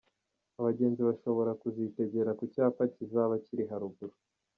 Abagenzi bashobora kuzitegera ku cyapa Kizaba ziri haruguru.